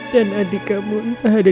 dan adik kamu entah ada